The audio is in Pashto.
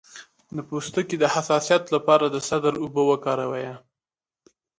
د پوستکي د حساسیت لپاره د سدر اوبه وکاروئ